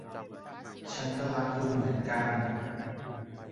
ฉันก็รักคุณเหมือนกัน